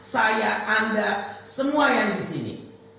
saya anda semua yang disini